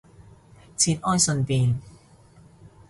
節哀順變